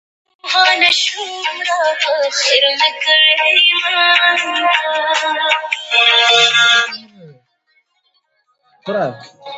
It is the state's second-smallest publicly funded baccalaureate institution.